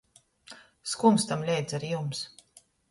Skumstam leidz ar jums.